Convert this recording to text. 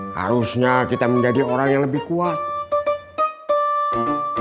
harusnya kita menjadi orang yang lebih kuat